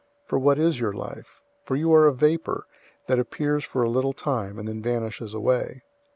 For what is your life? For you are a vapor, that appears for a little time, and then vanishes away.